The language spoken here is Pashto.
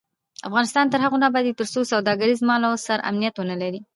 افغانستان تر هغو نه ابادیږي، ترڅو سوداګر د مال او سر امنیت ونلري.